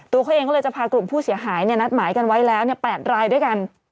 เองก็เลยจะพากลุ่มผู้เสียหายนัดหมายกันไว้แล้ว๘รายด้วยกัน